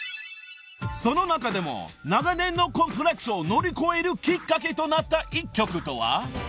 ［その中でも長年のコンプレックスを乗り越えるきっかけとなった１曲とは］